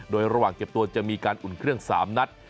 โดยระหว่างเก็บตัวจะมีการอุ่นเครื่อง๓นัด